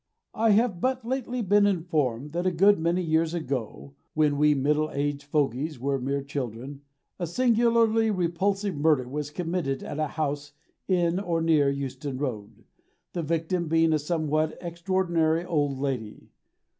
I have but lately been informed that a good many years ago (when we middle aged fogies were mere children) a singularly repulsive murder was committed at a house in or near Euston Road, the victim being a somewhat extraordinary old lady.